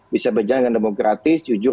bisa berjalan dengan demokratis jujur